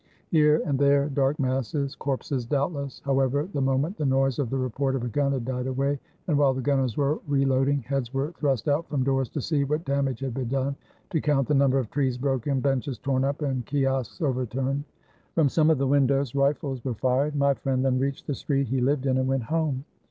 Here and there dark masses, corpses doubtless. However, the moment the noise of the report of a gun had died away, and while the gunners were reloading, heads were thrust out from doors to see what damage had been done — to count the number of trees broken, benches torn up, and kiosques overturned. From some of the windows rifles were fired. My friend then reached the street he Hved in and went home.